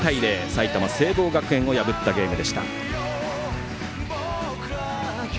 埼玉、聖望学園を破ったゲーム。